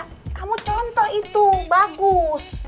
kamu contoh itu bagus